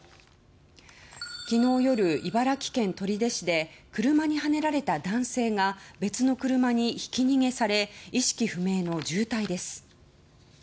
昨日夜、茨城県取手市で車にはねられた男性が別の車にひき逃げされ意識不明の重体です。